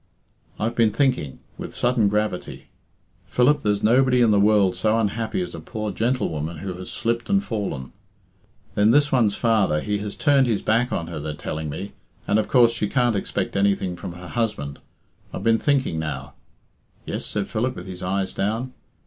"I've been thinking," with sudden gravity. "Philip, there's nobody in the world so unhappy as a poor gentlewoman who has slipped and fallen. Then this one's father, he has turned his back on her, they're telling me, and of course she can't expect anything from her husband. I've been thinking, now " "Yes?" said Philip, with his eyes down.